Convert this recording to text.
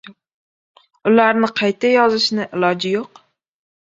Ularni qayta yozishning iloji yo‘q.